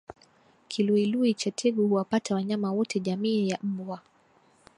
Kiluilui cha tegu huwapata wanyama wote jamii ya mbwa